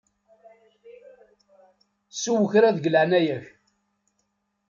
Sew kra deg leɛnaya-k!